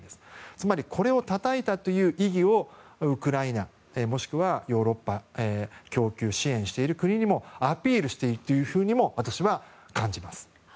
つまりこれをたたいたという意義をウクライナ、もしくはヨーロッパ供給支援している国にもアピールしていくというふうにも私は感じます。